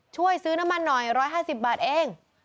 ช่วยซื้อน้ำมันหน่อย๑๕๐บาทเอง